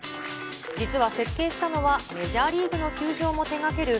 実は設計したのは、メジャーリーグの球場も手がける